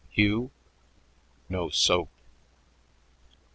"Hugh?" "No soap."